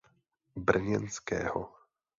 Brněnského.